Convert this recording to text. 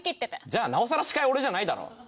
じゃあなおさら司会は俺じゃないだろ。